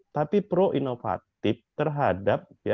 tapi pro inovatif terhadap kearifan lokal